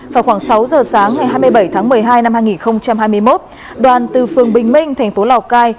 vào khoảng sáu giờ sáng ngày hai mươi bảy tháng một mươi hai năm hai nghìn hai mươi một đoàn từ phường bình minh thành phố lào cai